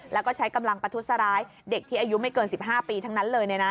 แล้วก็ใช้กำลังประทุษร้ายเด็กที่อายุไม่เกิน๑๕ปีทั้งนั้นเลยนะ